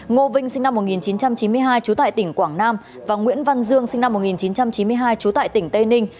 ngô vinh sinh năm một nghìn chín trăm chín mươi hai trú tại tỉnh quảng nam và nguyễn văn dương sinh năm một nghìn chín trăm chín mươi hai trú tại tỉnh tây ninh